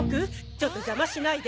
ちょっと邪魔しないで。